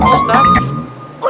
lu kan harusnya sama haikal